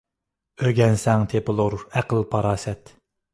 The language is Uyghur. ئۆگەنسەڭ تېپىلۇر ئەقىل - پاراسەت .